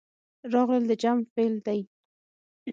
راغلل د جمع فعل دی.